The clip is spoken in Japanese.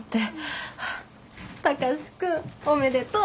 貴司君おめでとう。